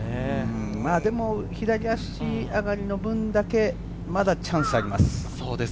でも左足上がりの分だけ、まだチャンスはあります。